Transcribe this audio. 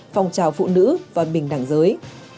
phòng trào phụ nữ và bình đẳng giới